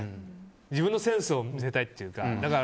自分のセンスを見せたいというか。